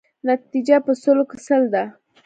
نتیجه په سلو کې سل ده.